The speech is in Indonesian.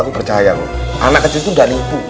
aku percaya loh anak kecil tuh gak libu